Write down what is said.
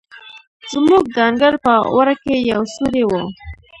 زموږ د انګړ په وره کې یو سورى و.